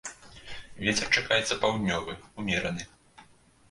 Вецер чакаецца паўднёвы, умераны.